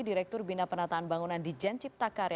direktur bina penataan bangunan di janciptakar